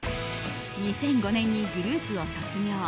２００５年にグループを卒業。